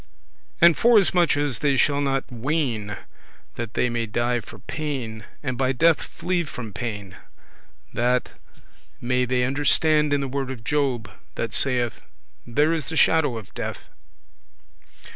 And forasmuch as they shall not ween that they may die for pain, and by death flee from pain, that may they understand in the word of Job, that saith, "There is the shadow of death."